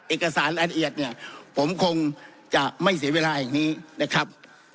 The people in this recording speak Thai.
เอกสารอันเอียดผมคงจะไม่เสียเวลาอย่างนี้นะครับ